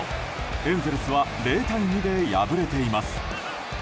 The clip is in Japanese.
エンゼルスは０対２で敗れています。